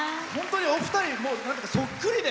お二人、そっくりで。